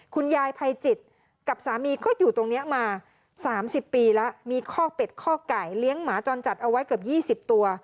คุณยายภัยจิตกับสามีก็อยู่ตรงนี้มา๓๐ปีแล้วมีคอกเป็ดคอกไก่เลี้ยงหมาจรจัดเอาไว้เกือบ๒๐ตัว